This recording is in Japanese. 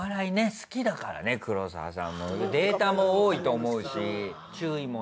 好きだからね黒沢さんもデータも多いと思うし。